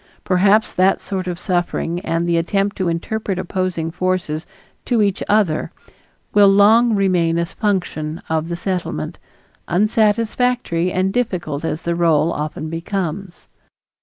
Perhaps that sort of suffering and the attempt to interpret opposing forces to each other will long remain a function of the Settlement, unsatisfactory and difficult as the role often becomes.